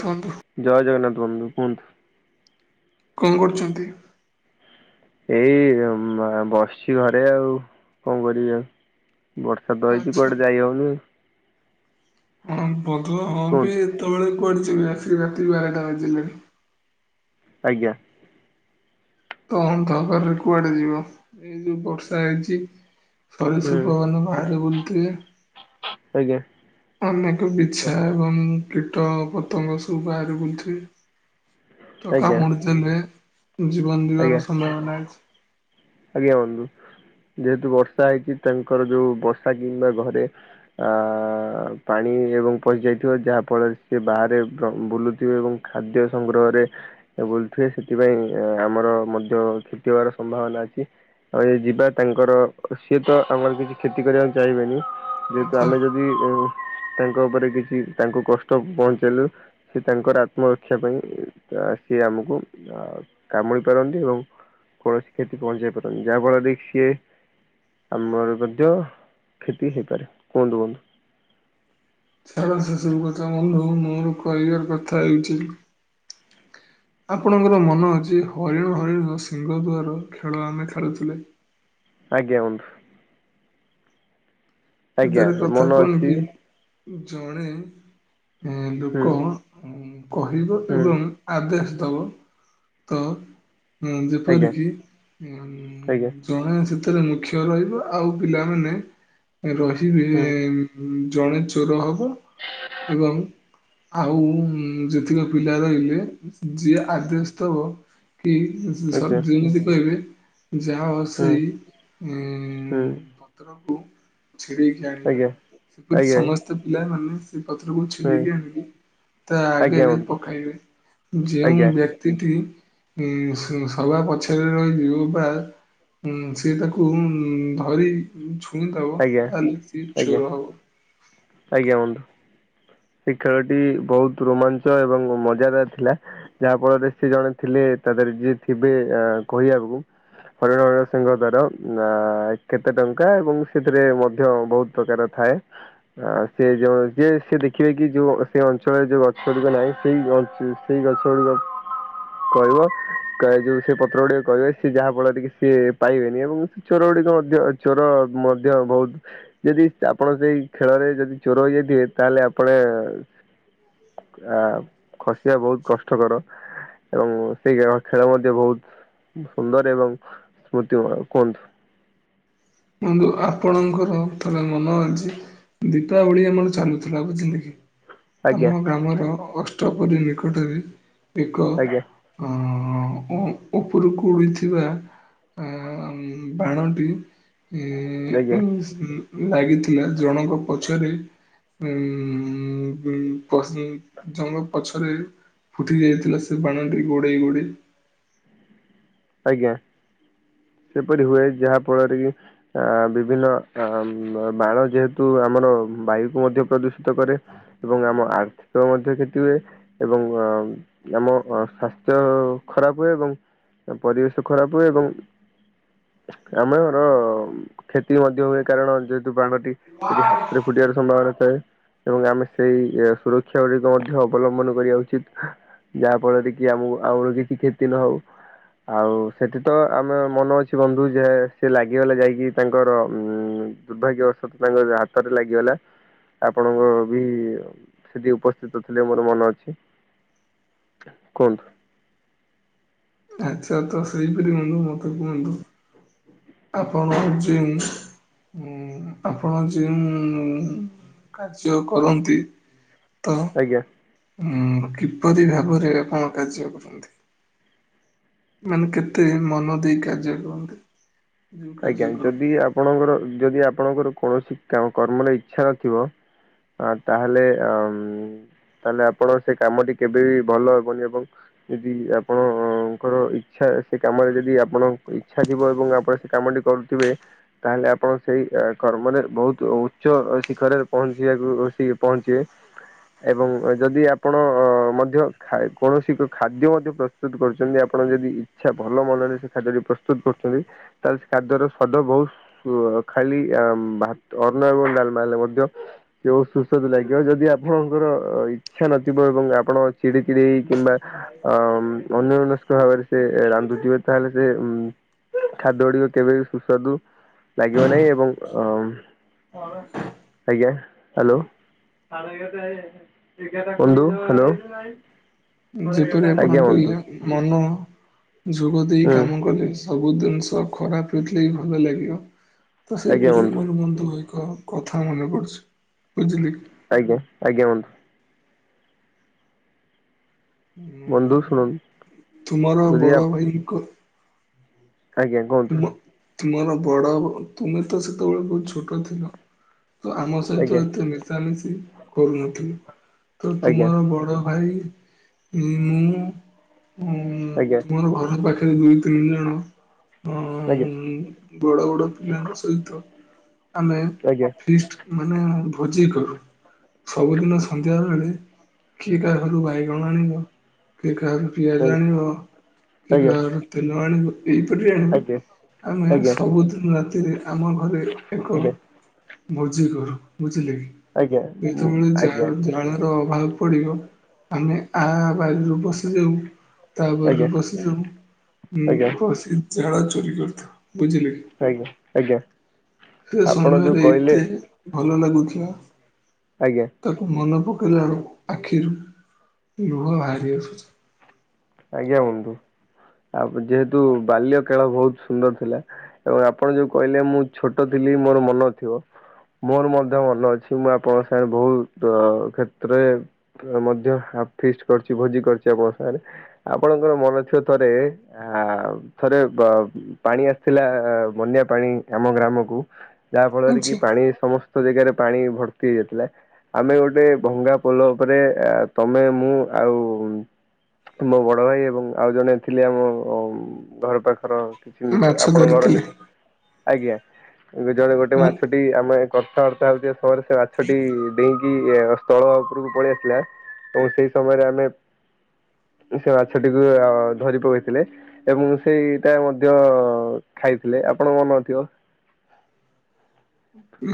କୁହନ୍ତୁ ଜୟ ଜଗନ୍ନାଥ ବନ୍ଧୁ, କୁହନ୍ତୁ। କଣ କରୁଚନ୍ତି? ଏଇ ଅ ମା ବସିଚି ଘରେ ଆଉ କଣ କରିବି ଆଉ। ବର୍ଷା ତ ହେଇଚି, ଆଚ୍ଛା। କୁଆଡେ ଯାଇ ହଉନି ଆଉ। ହଁ ଭଦ୍ର ହଁ ବି କୁହନ୍ତୁ ଏତେବେଳେ କୁଆଡ଼େ ଯିବେ, ଆସିକି ରାତି ବାରଟା ବାଜିଲାଣି। ଆଜ୍ଞା। କଣ ଖବର କୁଆଡେ ଯିବ? ଏଇ ଯୋଉ ବର୍ଷା ହେଇଚି ହୁଁ ସରୀସୃପ ମାନେ ବାହାରେ ବୁଲୁ ଥିବେ। ଆଜ୍ଞା। ଅନେକ ବିଛା ଏବଂ କୀଟ ପତଙ୍ଗ ସବୁ ବାହାରେ ବୁଲୁଥିବେ। ତ ଆଜ୍ଞା କାମୁଡ଼ି ଦେବେ, ଜୀବନ ଯିବାର ଆଜ୍ଞା। ସମ୍ଭାବନା ଅଛି। ଆଜ୍ଞା ବନ୍ଧୁ। ଯେହେତୁ ବର୍ଷା ହେଇଚି ତାଙ୍କର ଯୋଉ ବର୍ଷା କିମ୍ବା ଘରେ ଆ ପାଣି ଣି ଏବଂ ପଶିଯାଇଥିବ ଯାହା ଫଳରେ ସେ ବାହାରେ ବ୍ର ବୁଲୁଥିବେ ଏବଂ ଖାଦ୍ୟ ସଂଗ୍ରହରେ ବୁଲୁଥିବେ ସେଥିପାଇଁ ଆମର ମଧ୍ୟ କ୍ଷତି ହବାର ସମ୍ଭାବନା ଅଛି। ଛି ଆଉ ଏଇ ଯିବା ତାଙ୍କର ସିଏ ତ ଆମର କିଛି କ୍ଷତି କରିବାକୁ ଚାହିଁବେନି। ଯେହେତୁ ଆଚ୍ଛା ଆମେ ଯଦି ଏ ତାଙ୍କ ଉପରେ କିଛି ତାଙ୍କୁ କଷ୍ଟ ପହଞ୍ଚେଇଲୁ ସେ ତାଙ୍କର ଆତ୍ମରକ୍ଷା ପାଇଁ ସିଏ ଆମକୁ କାମୁଡ଼ି ପାରନ୍ତି ଏବଂ କୌଣସି କ୍ଷ ତି ପହଞ୍ଚେଇ ପାରନ୍ତି ଯାହାଫଳରେ କି ସିଏ ଆମର ମଧ୍ୟ କ୍ଷତି ହେଇପାରେ କୁହନ୍ତୁ ବନ୍ଧୁ। ଛାର ସେସବୁ କଥା ମ ମୋର କହିଆର କଥା ହେଉଚିଯେ ଆପଣଙ୍କର ମନ ଅଛି ହରିଣ ହରିଣ ସିଂହ ଦୁ୍ଆର ଖେଳ ଆମେ ଖେଳୁଥିଲେ। ଆଜ୍ଞା ବନ୍ଧୁ। ଆଜ୍ଞା ସେଥିରେ କଥା ମନ କଣ ଅଛି କି ଜଣେ ଏ ହୁଁ ଲୋକ କହିବ ହୁଁ ଏବଂ ଆଦେଶ ଥବ ତ ହଁ ଆଜ୍ଞା ଯେପରି କିି ଉ ଆଜ୍ଞା ଜଣେ ସେଥ ଥିରେ ମୁଖ୍ୟ ରହିବ ଆଉ ପିଲାମାନେ ରହିବେ ହୁଁ ଅଁ ଜଣେ ଚୋର ହବ ଏବଂ ଆଉ ଯେତିକ ପିଲା ରହିଲେ ଯିଏ ଆଦେଶ ଦବ କି ସ- ସ ଆଜ୍ଞା ହୁଁ ହୁଁ ଯେମିତି କହିବେ ଯାହା ହଉ ସେଇ ଉଁ ପତ୍ରକୁ ଛିଡ଼େଇକି ଆଣିବା ଆଜ୍ଞା ସେପରି ସମସ୍ତେ ପିଲାମାନେ ସେ ପତ୍ରକୁ ଛିଡ଼େଇକି ଆଣିକି ତା ଆଜ୍ଞା ହୁଁ ଆଜ୍ଞା ଆଗରେ ବନ୍ଧୁ ପକାଇବେ। ଯେଉଁ ଆଜ୍ଞା ଆଜ୍ଞା ବ୍ୟକ୍ତିଟି ଇଁ ସ ସବା ପଛରେ ରହିଯିବ ବା ହଁ ସିଏ ତାକୁ ଉଁ ଧରି ଛୁଇଁଦବ। ତାହାଲେ ସିଏ ଆଜ୍ଞା ଚୋର ହବ। ଆଜ୍ଞା ବନ୍ଧୁ ସେ ଖେଳଟି ବହୁତ ରୋମାଞ୍ଚ ଏବଂ ମଜାଦାର ଥିଲା ଯାହା ଫଳରେ ସେ ଜଣେ ଥିଲେ ତା ଦେହରେ ଯିଏ ଥିବେ ଅ କହିବାକୁ ହରିଣର ସିିଂହ ଦ୍ଵାର ନା କେତେ ଟଙ୍କା ଏବଂ ସେଥିରେ ମଧ୍ୟ ବହୁତ ପ୍ରକାର ଥାଏ ଥାଏ ସେ ଯୋଉ ଯିଏ ସେ ରି ଖି ଏକି କି ଯୋଉ ସେଇ ଅଞ୍ଚଳରେ ଯୋଉ ଗଛ ଗୁଡ଼ିକ ନାହିଁ ସେଇ ଗ ସେଇ ଗଛ ଗୁଡ଼ିକ କହିବ ଯୋଉ ସେ ପତ୍ର ଗୁଡ଼ିକ କହିବେ ସିଏ ଯାହା ଫଳରେ ଟିକେ ସିଏ ପାଇବେନି ଏବଂ ଚୋର ଗୁଡ଼ିକ ମଧ୍ୟ ଚୋର ମଧ୍ୟ ବହୁତ ଯଦି ଆପଣ ସେଇ ଖେଳରେ ଯଦି ଚୋର ଇଏ ଦିଏ ତାହେଲେ ପଳେ ଆ ଖସିବା ବହୁତ କଷ୍ଟକର। ଏବଂ ସେଇ ଖ ଖେଳ ମଧ୍ୟ ବହୁତ ସୁନ୍ଦର ଏବଂ ସ୍ମୃତିମୟ କୁହନ୍ତୁ। ବନ୍ଧୁ ଆପଣଙ୍କର ଥରେ ମନ ଅଛି ଦୀପାବଳି ଆମର ଚାଲୁଥିଲା ବୁଝିଲେ କି? ଆଜ୍ଞା ଆମ ଗ୍ରାମର ଅଷ୍ଟପହରୀ ନିକଟରେ ଏକ ଆଜ୍ଞା ଅ ଅ ଅ ଉପରକୁ ଉଡ଼ିଥିବା ଆ ବାଣଟି ଏ ଆଜ୍ଞା ଉଁ ଲାଗିଥିଲା ଜଣଙ୍କ ପଛରେ ଉଁ ପ -ପଶି ଜଣଙ୍କ ପଛରେ ଫୁଟି ଯାଇଥିଲା ସେ ବାଣଟି ଗୋଡ଼େଇ ଗୋଡ଼େଇ। ଆଜ୍ଞା। ସେପରି ହୁଏ ଯାହାଫଳରେ କି ଆ ବିଭିନ୍ନ ବାଣ ଯେହେତୁ ଆମର ବାୟୁ କୁ ମଧ୍ୟ ପ୍ରଦୂଷିତ କରେ ଏବଂ ଆମ ଆର୍ଥିକ ମଧ୍ୟ କ୍ଷତି ହୁଏ ଏବଂ ଆ ଆମ ସ୍ୱାସ୍ଥ୍ୟ ଖରାପ ହୁଏ ଏବଂ ପରିବେଶ ଖରାପ ହୁଏ ଏବଂ ଆମର କ୍ଷତି ମଧ୍ୟ ହୁଏ। କାରଣ ଯେହେତୁ ବାଣ ଟି ଯଦି ହାତରେ ଫୁଟିବାର ସମ୍ଭାବନା ଥାଏ ଏବଂ ଆମେ ସେଇ ସୁରକ୍ଷା ଗୁଡିକ ମଧ୍ୟ ଅବଲମ୍ବନ କରିବା ଉଚିତ। ଯାହା ଫଳରେ କି ଆମକୁ ଆମର କିଛି କ୍ଷତି ନ ହଉ। ଆଉ ସେଠି ତ ଆମେ ମନ ଅଛି ବନ୍ଧୁ ଯେ ସେ ଲାଗିଗଲେ ଯାଇକି ତାଙ୍କର ଉ ଦୁର୍ଭାଗ୍ୟ ବଶତଃ ତାଙ୍କ ହାତରେ ଲାଗିଗଲା ଆପଣଙ୍କ ବି ସେଠି ଉପସ୍ଥିତ ଥିଲେ ମୋର ମନ ଅଛି। କୁହନ୍ତୁ। ଆଚ୍ଛା ତ ସେଇପରି ବନ୍ଧୁ ମତେ କୁହନ୍ତୁ। ଆପଣ ଯେଉଁ ଉଁ ଆପଣ ଯେଉଁ କାର୍ଯ୍ୟ କରନ୍ତି ଆଜ୍ଞା। ହୁ। କିପରି ଭାବରେ ଆପଣ କାର୍ଯ୍ୟ କରନ୍ତି? ମାନେ କେତେ ମନ ଦେଇ କାର୍ଯ୍ୟ କରନ୍ତି? ଯୋଉ ଆଜ୍ଞା କାର୍ଯ୍ୟ ଯଦି କରନ୍ତି। ଆପଣଙ୍କର ଯଦି ଆପଣଙ୍କର କୌଣସି କର୍ମରେ ଇଚ୍ଛା ନଥିବ ଆ ତାହେଲେ ଅ ତାହେଲେ ଆପଣ ସେ କାମଟି କେବେ ବି ଭଲ ହେବନି ଏବଂ ଯଦି ଆପଣଙ୍କର ଇଚ୍ଛା ସେ କାମରେ ଯଦି ଆପଣଙ୍କ ଇଚ୍ଛା ଥିବ ଏବଂ ଆପଣ କାମଟି କରୁଥିବେ ତାହେଲେ ଆପଣ ସେଇ କର୍ମରେ ବହୁତ ଉଚ୍ଚ ଶିଖରରେ ପହଞ୍ଚି ସିଖରରେ ବସିକି ପହଞ୍ଚିବେ। ଏବଂ ଯଦି ଆପଣ ମଧ୍ୟ ଖା କୌଣସି ଏକ ଖାଦ୍ୟ ମଧ୍ୟ ପ୍ରସ୍ତୁତ କରୁଛନ୍ତି ଆପ ଆପଣ ଯଦି ଇଚ୍ଛା ଭଲ ମନରେ ସେ ଖାଦ୍ୟଟି ପ୍ରସ୍ତୁତ କରୁଚନ୍ତି ତାହେଲେ ସେ ଖାଦ୍ୟର ସ୍ୱାଦ ବହୁତ ଖାଲି ଅ ଭାତ ଅନ୍ନ ଏବଂ ଡାଲମା ହେଲେ ମଧ୍ୟ ସୁସ୍ୱାଦୁ ଲାଗିବ। ଯଦି ଆପଣଙ୍କର ଅ ଇଚ୍ଛା ନଥିବ ଏବଂ ଆପଣ ଚିଡି ଚିଡି ହେଇ କିମ୍ବା ଅ ଅନ୍ୟମନସ୍କ ଭାବରେ ସେ ରାନ୍ଧୁଥିବେ ତା ହେଲେ ସେ ଉ ଖାଦ୍ୟ ଗୁଡ଼ିକ କେବେ ବି ସୁସ୍ୱାଦୁ ଲାଗିବ ନାହିଁ ଏବଂ ଅ ଆଜ୍ଞା ହାଲୋ। ବନ୍ଧୁ ହାଲୋ। ଯେପରି ଆପଣଙ୍କ ଇଏ ମନ ଯୋଗ ଦେଇ ହୁଁ କାମ କଲେ ସବୁ ଜିନିଷ ଖରାପ ହୋଇଥିଲେ ବି ଭଲ ଲାଗିବ। ତ ସେଇପରି ମୋର ବନ୍ଧୁ ଏକ କଥା ମନେ ପଡିୁଚି ବୁଝିଲେ କି? ଆଜ୍ଞା ଆଜ୍ଞା ବନ୍ଧୁ। ବନ୍ଧୁ ହୁ। ଶୁଣନ୍ତୁ ତୁମର ଯଦି ବଡ ଆପ ଭାଇ ଙ୍କ ଆଜ୍ଞା କୁହନ୍ତୁ। ତୁମର ବଡ ତୁମେ ତ ସେତେବେଳେ ବହୁତ ଛୋଟ ଥିଲ। ତ ଆମ ସହିତ ଆଜ୍ଞା ଏତେ ମିଶାମିଶି କରୁନଥିଲ। ତ ଆଜ୍ଞା ତୁମର ବଡ ଭାଇ ମୁଁ ମୁଁ ଆଜ୍ଞା ତୁମର ଘର ପାଖରେ ଦୁଇ, ତିନି ଜଣ ହଁ ଆଜ୍ଞା ହଁ ବଡ଼ ବଡ଼ ପିଲାଙ୍କ ସହିତ ଆମେ ଆଜ୍ଞା ଆଜ୍ଞା ଫିଷ୍ଟ ମାନେ ଭୋଜି କରୁ। ସବୁଦିନ ସନ୍ଧ୍ୟାବେଳେ କିଏ କା ଘରୁ ବାଇଗଣ ଆଣିବ କିଏ କାହାର ପିଆଜ ଆଣିବ କିଏ କାହାର ତେଲ ଆଣିବ ଏଇପରି ଆଣି ଆଜ୍ଞା ଆମେ ଆଜ୍ଞା ଆଜ୍ଞା ସବୁଦିନ ରାତିରେ ଆମ ଘରେ ଏକ ଆଜ୍ଞା ଭୋଜି କରୁ ବୁଝିଲେ କି? ମୁଁ ଯେତେବେଳେ ଆଜ୍ଞା ଜା ଆଜ୍ଞା ଜାଳର ଅଭାବ ପଡ଼ିବ ଆମେ ଆ ବାରି ରୁ ପଶିଯାଉ ତା ବାରି ରୁ ପଶିଯାଉ ଉଁ ସବୁ ଆଜ୍ଞା ଆଜ୍ଞା ପଶି କି ଝାଳ ଚୋରି କରିଥାଉ। ବୁଝିଲେ କି? ଆଜ୍ଞା ସେ ଆପଣ ଯୋଉ ସମୟରେ କହିଲେ ଏତେ ଭଲ ଲାଗୁଥିଲା ଆଜ୍ଞା ତାକୁ ମନ ପକ କଲା ବେଳକୁ ଆଖିରୁ ଲୁହ ବାହାରି ଆସୁଚି। ଆଜ୍ଞା ବନ୍ଧୁ। ଆ ଯେହେତୁ ବାଲ୍ୟ କାଳ ବହୁତ ସୁନ୍ଦର ଥିଲା। ଏବଂ ଆପଣ ଯୋଉ କହିଲେ ମୁଁ ଛୋଟ ଥିଲି ଥିଲି ମୋର ମନ ନଥିବ ମୋର ମଧ୍ୟ ମନେ ଅଛି ମୁଁ ଆପଣଙ୍କ ସାଙ୍ଗେ ବହୁତ କ୍ଷେତ୍ରରେ ମଧ୍ୟ ଆ ଫିଷ୍ଟ କରିଚି ଭୋଜି କରିଛି ଆପଣଙ୍କ ସାଙ୍ଗରେ। ଆପଣଙ୍କର ମନେ ଥିବ ଥରେ ଆ ଥରେ ବ ପାଣି ଆସିଥିଲା ବନ୍ୟା ପାଣି ଆମ ଗ୍ରାମକୁ ଯାହାଫଳରେ କି ଆଚ୍ଛା ପାଣି ସମସ୍ତ ଜାଗାରେ ପାଣି ଭର୍ତ୍ତି ହେଇଯାଇଥିଲା ଆମେ ଗୋଟେ ଭଙ୍ଗା ପୋଲ ଉପରେ ତମେ ମୁଁ ଆଉ ମୋ ବଡ଼ ଭାଇ ଏବଂ ଆଉ ଜଣେ ଥିଲେ ଆମ ଘର ପାଖର କିଛି ନିକ ମାଛ ଆପଣଙ୍କ ଘର ଆଡେ ଧରିଥିଲେ ଆଜ୍ଞା ଜଣେ ଗୋଟେ ମୁଁ ମାଛଟି ଆମେ କଥାବର୍ତ୍ତା ହଉଥିବା ସମୟରେ ସେ ମାଛଟି ଦେଇକି ଏ ସ୍ଥଳ ଉପରକୁ ପଳେଇ ଆସିଲା। ତ ସେଇ ସମୟରେ ଆମେ ସେ ମାଛଟିକୁ ଧରି ପକେଇଥିଲେ ଏବଂ ସେଇଟା ମଧ୍ୟ ଖାଇଥିଲେ। ଲେ, ଆପଣ ମନେ ନ ଥିବ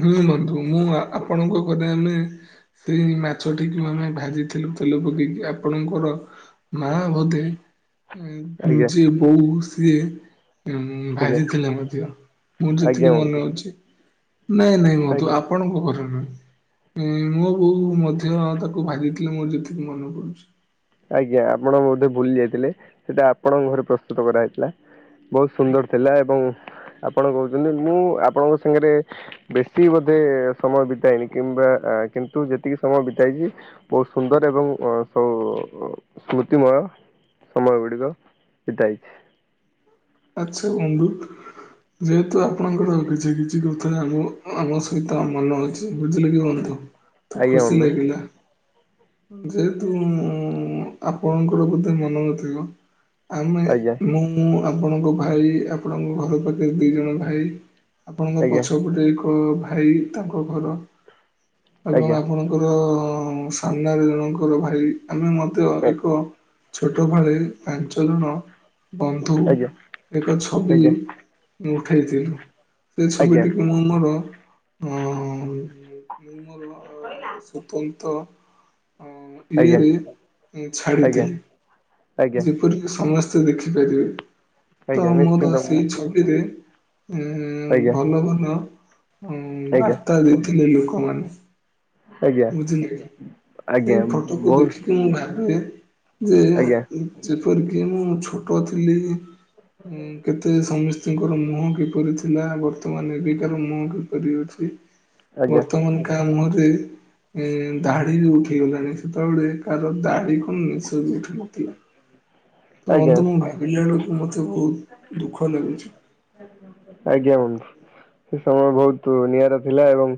ହୁଁ ବନ୍ଧୁ ମୁଁ ଆପଣଙ୍କ ଘରେ ଆମେ ସେଇ ମାଛଟିକୁ ଆମେ ଭାଜିଥିଲୁ ତେଲ ପକେଇକି ଆପଣଙ୍କର ମା ବୋଧେ ଆଜ୍ଞା ଯେ ବୋଉ ସିଏ ଉ ଆଜ୍ଞା ଭାଜି ଥିଲେ ମଧ୍ୟ ମୁଁ ଆଜ୍ଞା ଯେତିକି ବନ୍ଧୁ ମନେ ଅଛି। ନାଇଁ ନାଇଁ ବନ୍ଧୁ ଆଜ୍ଞା। ଆପଣଙ୍କ ଘରେ ନୁହେଁ। ଉଁ ମୋ ବୋଉ ମଧ୍ୟ ତାକୁ ଭାଜିିଥିଲେ ମୋର ଯେତିକି ମନେ ପଡୁଚି। ଆଜ୍ଞା ଆପଣ ବୋଧେ ଭୁଲି ଯାଇଥିଲେ ସେଟା ଆପଣଙ୍କ ଘରେ ପ୍ରସ୍ତୁତ କରାହେଇଥିଲା। ବହୁତ ସୁନ୍ଦର ଥିଲା ଏବଂ ଆପଣ କହୁଚନ୍ତି ମୁଁ ଆପଣଙ୍କ ସାଙ୍ଗରେ ବେଶୀ ବୋଧେ ସମୟ ବିତାଇନି କିମ୍ବା କିନ୍ତୁ ଯେତିକି ସମୟ ବିତାଇଛି ବହୁତ ସୁନ୍ଦର ଏବଂ ସୁ ଅ ସ୍ମୃତିମୟ ସମୟ ଗୁଡ଼ିକ ବିତାଇଚି। ଆଚ୍ଛା ବନ୍ଧୁ। ଯେହେତୁ ଆପଣଙ୍କର କିଛି କିଛି କଥା ଆମ ଆମ ସହିତ ଅମଲ ଅଛି ବୁଝିଲେ କି ବନ୍ଧୁ। ତୁ ଆଜ୍ଞା ଖୁସି ବନ୍ଧୁ ଲାଗିଲା ଯେହେତୁ ମୁ ଆପଣଙ୍କର ବୋଧେ ମନ ନଥିବ ଆମେ ଆଜ୍ଞା ମୁଁ ମୋ ଆପଣଙ୍କ ଭାଇ ଆପଣଙ୍କ ଘର ପାଖରେ ଦୁଇ ଜଣ ଭାଇ ଆପଣଙ୍କ ଆଜ୍ଞା ପଛପଟେ ଙ୍କ ଭାଇ ତାଙ୍କ ଘର ଏବଂ ଆଜ୍ଞା ଆପଣଙ୍କର ଙ୍କ ସାମ୍ନାରେ ଜଣଙ୍କର ଭାଇ ଆମେ ମଧ୍ୟ ଏକ ଛୋଟ ବେଳେ ପାଞ୍ଚ ଜଣ ବନ୍ଦ ଆଜ୍ଞା ଏକ ଛବି ଆଜ୍ଞା ମୁ ଉଠେଇଥିଲୁ। ସେ ଛବିଟିକୁ ମୁଁ ମୋର ଅଁ ମୁଁ ମୋର ସୁତନ୍ତ ଅ ଆଜ୍ଞା ଇଏରେ ଆଜ୍ଞା ଆଜ୍ଞା ଛାଡିଥିଲି ଆଜ୍ଞା ଯେପରି କି ସମସ୍ତ ସ୍ତେ ଦେଖିପାରିବେ ତ ଆଜ୍ଞା ମୁଁ ତ ନିଶ୍ଚିନ୍ତ ସେଇ ଛବିରେ ଉଁ ଉଁ ଆଜ୍ଞା ଭଲ, ଭଲ ଉଁ ଆଜ୍ଞା ବାର୍ତ୍ତା ଦେଇଥିଲେ ଲୋକମାନେ। ଆଜ୍ଞା ବୁଝିଲେ ଆଜ୍ଞା, ଆଜ୍ଞା ସେଇ ଫଟୋକୁ ବହୁତ ଦେଖିକି ମୁଁ ଭାବେ ଯେ ଆଜ୍ଞା ଯେପରିକି ମୁଁ ଛୋଟ ଥିଲି ହୁଁ କେତେ ସମସ୍ତଙ୍କର ମୁହଁ କିପରି ଥିଲା ବର୍ତ୍ତମାନ ଏବିକାର ମୁହଁ କିପରି ଅଛି। ଆଜ୍ଞା ବର୍ତ୍ତମାନ କାହା ମୁହଁରେ ଏ ଦାଢ଼ି ବି ଉଠିଗଲାଣି। ସେତେବେଳେ କାହାର ଦାଢ଼ି କଣ ନିସ ବି ଉଠି ନଥିଲା। ତ ଆଜ୍ଞା ବନ୍ଧୁ ମୁଁ ଭାବିଲା ବେଳକୁ ତ ବହୁତ ଦୁଃଖ ଲାଗୁଛି। ଆଜ୍ଞା ବନ୍ଧୁ। ସେ ସମୟ ବହୁତ ନିଆରା ଥିଲା ଏବଂ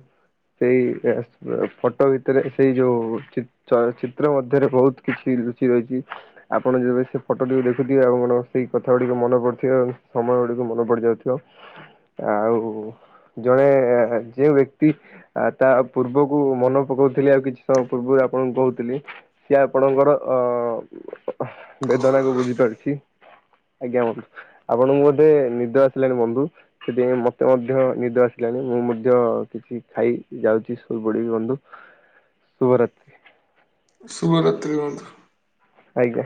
ସେଇ ଏସ ସ ଫଟୋ ଭିତରେ ସେଇ ଯୋଉ ଚତ ଚିତ୍ର ଚ ମଧ୍ୟରେ ବହୁତ କିଛି ରୁଚି ରହିଚି ଆପଣ ଯେବେ ସେ ଫଟୋ ଟିକୁ ଦେଖୁଥିବେ ଆଣ ସେଇ କଥା ଗୁଡିକ ମନ [unintelligible] ସମୟ ଗୁଡିକ ମନେ ପଡିଯାଉଥିବ ଆଉ ଜଣେ ଯେଉ ବ୍ୟକ୍ତି ତା ପୂର୍ବକୁ ମନେ ପକଉଥିଲେ ଆଉ କିଛି ସମୟ ପୂର୍ବରୁ ଆପଣଙ୍କୁ କହୁଥିଲି ସିଏ ଆପଣଙ୍କର ଅ ବେଦନା କୁ ବୁଝି ପାରିଚି। ଆଜ୍ଞା ବନ୍ଧୁ। ଆପଣଙ୍କୁ ବୋଧେ ନିଦ ଆସିଲାଣି ବନ୍ଧୁ, ସେଥିପାଇଁ ମତେ ମଧ୍ୟ ନିଦ ଆସିଲାଣି। ମୁଁ ମଧ୍ୟ କିଛି ଖାଇ ଯାଉଚି ଶୋଇ ପଡିବି ବନ୍ଧୁ ଶୁଭରାତ୍ରି। ଶୁଭ ରାତ୍ରି ବନ୍ଧୁ। ଆଜ୍ଞା।